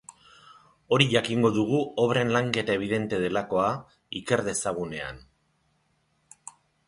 Hori jakingo dugu obren lanketa ebidente delakoa iker dezagunean.